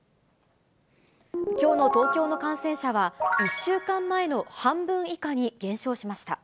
きょうの東京の感染者は１週間前の半分以下に減少しました。